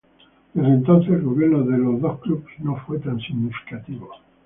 Desde entonces, el gobierno de los dos clubes no fue tan significativo.